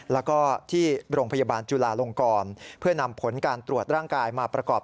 แล้วก็ที่โรงพยาบาลจุลาลงกรเพื่อนำผลการตรวจร่างกายมาประกอบ